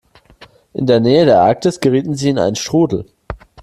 In der Nähe der Arktis gerieten sie in einen Strudel.